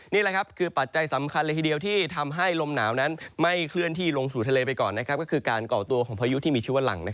นี่แหละครับคือปัจจัยสำคัญเลยทีเดียวที่ทำให้ลมหนาวนั้นไม่เคลื่อนที่ลงสู่ทะเลไปก่อนก็คือการก่อตัวของพายุที่มีชื่อว่าหลัง